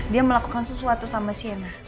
dia melakukan sesuatu sama siana